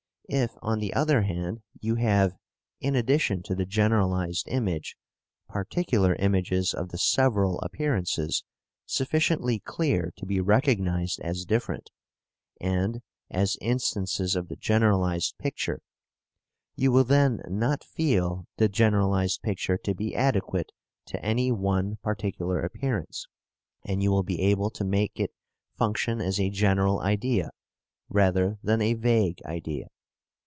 If, on the other hand, you have, in addition to the generalized image, particular images of the several appearances, sufficiently clear to be recognized as different, and as instances of the generalized picture, you will then not feel the generalized picture to be adequate to any one particular appearance, and you will be able to make it function as a general idea rather than a vague idea.